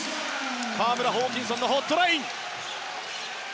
河村、ホーキンソンのホットライン。